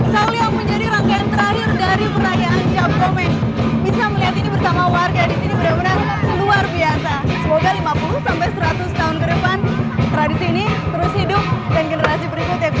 sepuluh sampai seratus tahun ke depan tradisi ini terus hidup